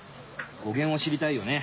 語源を知りたいよね。